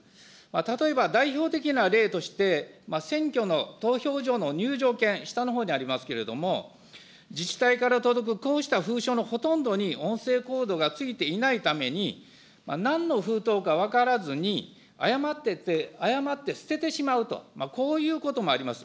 例えば代表的な例として、選挙の投票所の入場券、下のほうでありますけれども、自治体から届くこうした封書のほとんどに音声コードがついていないために、なんの封筒か分からずに、誤って捨ててしまうと、こういうこともあります。